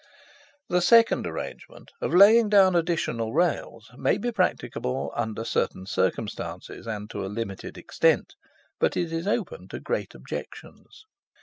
The second arrangement, of laying down additional rails, may be practicable under peculiar circumstances, and to a limited extent, but it is open to great objections.